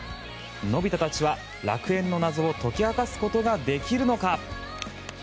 のび太たちは楽園の謎を解き明かすことができるのか。